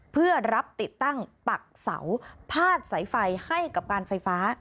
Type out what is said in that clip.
เพื่อรับติดตั้งปักเสาพาดสายไฟให้กับการไฟฟ้า